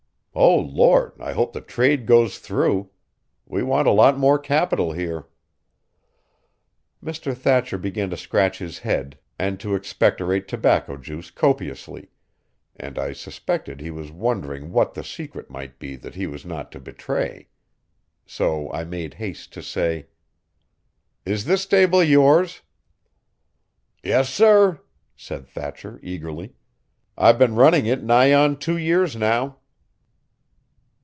O Lord! I hope the trade goes through. We want a lot more capital here." Mr. Thatcher began to scratch his head and to expectorate tobacco juice copiously, and I suspected he was wondering what the secret might be that he was not to betray. So I made haste to say: "Is this stable yours?" "Yes, sir," said Thatcher eagerly. "I've been running it nigh on two years now."